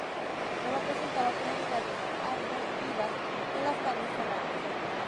Sólo presentaba comunidades arbustivas en las áreas serranas.